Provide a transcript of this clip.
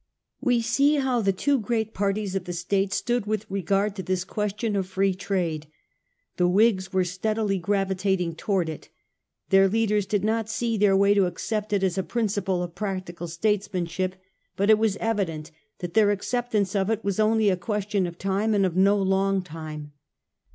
We see how the two great parties of the State stood with regard to this question of Free Trade. The Whigs were steadily gravitating towards it. Their leaders did not quite see their way to accept it as a principle of practical statesmanship, but it was evi dent that their acceptance of it was only a question of time, and of no long time.